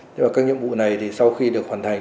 nhưng mà các nhiệm vụ này thì sau khi được hoàn thành